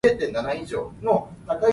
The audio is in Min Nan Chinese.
愛拚才會贏